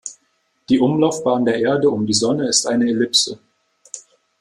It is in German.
Die Umlaufbahn der Erde um die Sonne ist eine Ellipse.